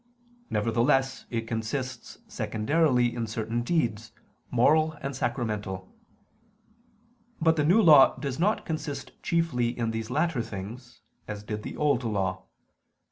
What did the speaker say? Nevertheless it consists secondarily in certain deeds, moral and sacramental: but the New Law does not consist chiefly in these latter things, as did the Old Law.